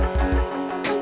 ya iyalah sekarang